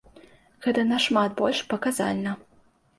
Гэта нашмат больш паказальна.